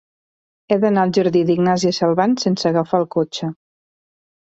He d'anar al jardí d'Ignàsia Salvans sense agafar el cotxe.